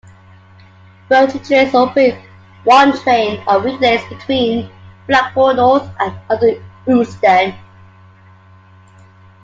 Virgin Trains operate one train on weekdays between Blackpool North and London Euston.